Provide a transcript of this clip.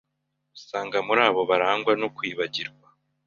usanga muri abo barangwa no kwibagirwa.